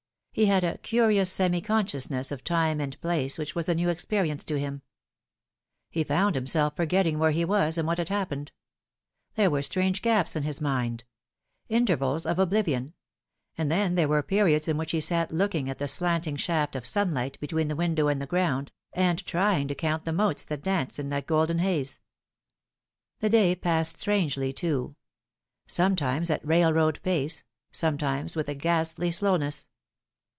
He had a curious semi consciousness of time and place which was a new experience to him. He found himself f orgetting where he was and what had happened. There were strange gaps in his mind intervals of oblivion and then there were periods in which he sat looking at the slanting shaft of sunlight between the window and the ground, and trying to count the motes that danced in that golden haze. The day passed strangely, too sometimes at railroad pace, sometimes with a ghastly slowness.